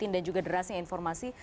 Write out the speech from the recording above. dan juga derasnya informasi